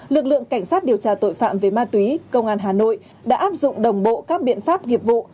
lực lượng cảnh sát điều tra tội phạm về ma túy công an hà nội đã áp dụng đồng bộ các biện pháp nghiệp vụ